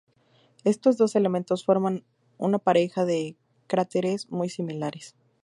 Estos dos elementos forman una pareja de cráteres muy similares.